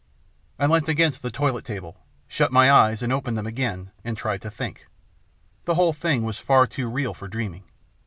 I leant against the toilet table, shut my eyes and opened them again, and tried to think. The whole thing was far too real for dreaming.